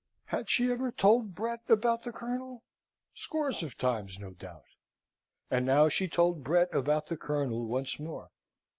Had she ever told Brett about the Colonel? Scores of times, no doubt. And now she told Brett about the Colonel once more.